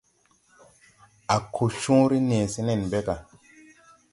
A ko cõõre nee se nen ɓe gà.